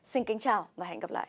xin kính chào và hẹn gặp lại